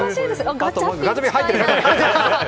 ガチャピン入ってる！